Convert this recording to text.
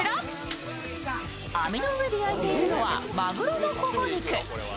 網の上で焼いているのは、まぐろの頬肉。